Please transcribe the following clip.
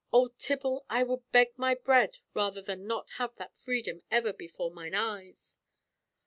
O Tibble, I would beg my bread rather than not have that freedom ever before mine eyes."